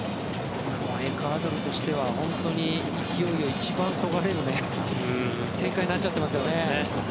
エクアドルとしては本当に勢いを一番そがれる展開になっちゃってますよね。